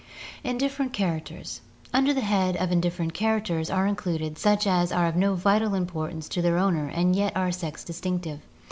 Indifferent Characters. — Under the head of indifferent char acters are included such as are of no vital importance to their owner and yet are sex distinctive.